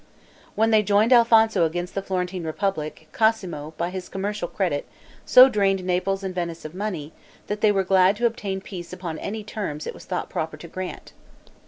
When they joined Alfonso against the Florentine republic, Cosmo, by his commercial credit, so drained Naples and Venice of money, that they were glad to obtain peace upon any terms it was thought proper to grant.